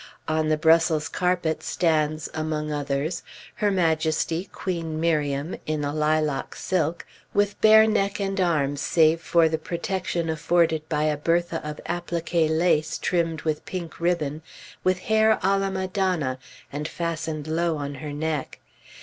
On the Brussels carpet stands, among others, Her Majesty, Queen Miriam, in a lilac silk, with bare neck and arms save for the protection afforded by a bertha of appliqué lace trimmed with pink ribbon, with hair à la madonna, and fastened low on her neck.